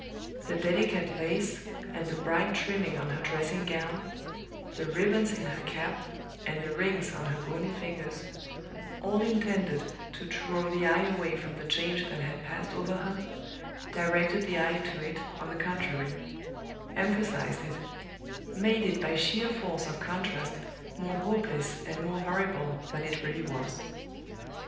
The delicate lace, and the bright trimming on her dressing gown, the ribbons in her cap, and the rings on her bony fingers, all intended to draw the eye away from the change that had passed over her, directed the eye to it, on the contrary; emphasized it; made it by sheer force of contrast more hopeless and more horrible than it really was.